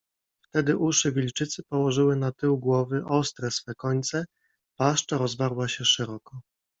Wtedy uszy wilczycy położyły na tył głowy ostre swe końce, paszcza rozwarła się szeroko